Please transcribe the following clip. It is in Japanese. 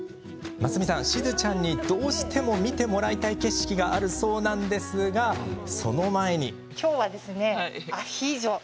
真澄さん、しずちゃんにどうしても見てもらいたい景色があるそうなんですが、その前に。